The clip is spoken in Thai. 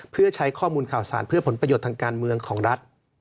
เพื่อใช้ข้อมูลข่าวสารเพื่อผลประโยชน์ทางการเมืองของรัฐ